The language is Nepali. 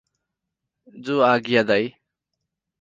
जो आग्या दाइ ।